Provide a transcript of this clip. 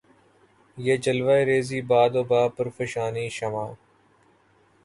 بہ جلوہ ریـزئ باد و بہ پرفشانیِ شمع